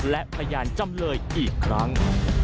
และพยานจำเลยอีกครั้ง